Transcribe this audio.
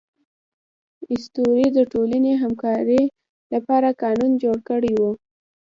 اسطورې د ټولنې همکارۍ لپاره قانون جوړ کړی و.